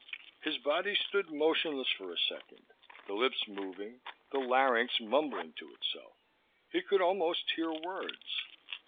His body stood motionless for a second, the lips moving, the larynx mumbling to itself. He could almost hear words.